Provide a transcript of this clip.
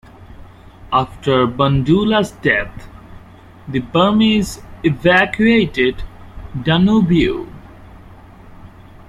After Bandula's death, the Burmese evacuated Danubyu.